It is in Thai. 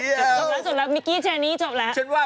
ส่วนลักษณ์ส่วนลักษณ์มิกกี้แจนี่จบแล้ว